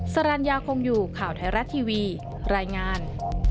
สรรญาคงอยู่ข่าวไทยรัฐทีวีรายงาน